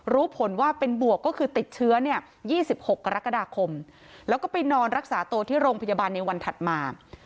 รู้ผลว่าเป็นบวกก็คือติดเชื้อเนี่ย๒๖กรกฎาคมแล้วก็ไปนอนรักษาตัวที่โรงพยาบาลในวันถัดมา